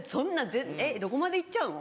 どこまで行っちゃうの？